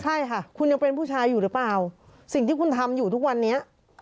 ใช่ค่ะคุณยังเป็นผู้ชายอยู่หรือเปล่าสิ่งที่คุณทำอยู่ทุกวันนี้